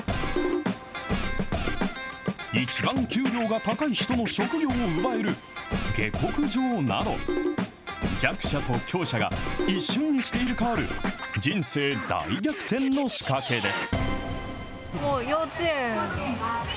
一番給料が高い人の職業を奪える下剋上など、弱者と強者が一瞬にして入れ代わる、人生大逆転の仕掛けです。